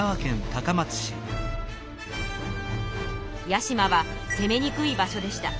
屋島はせめにくい場所でした。